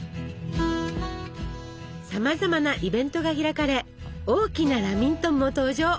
さまざまなイベントが開かれ大きなラミントンも登場！